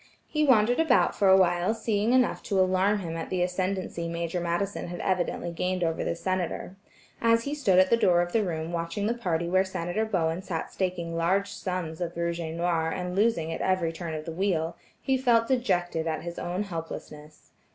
He wandered about for a while seeing enough to alarm him at the ascendency Major Madison had evidently gained over the Senator. As he stood at the door of the room watching the party where Senator Bowen sat staking large sums of rouge et noir and losing at every turn of the wheel, he felt dejected at his own helplessness.